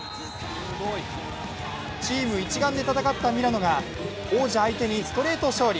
チーム一丸で戦ったミラノが王者相手にストレート勝利。